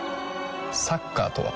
サッカーとは？